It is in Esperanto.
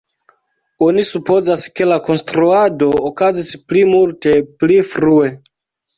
Oni supozas ke la konstruado okazis pli multe pli frue.